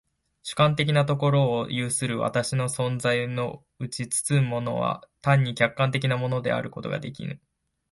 主観的なところを有する私の存在をうちに包むものは単に客観的なものであることができぬ。